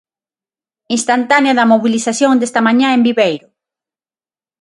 Instantánea da mobilización desta mañá en Viveiro.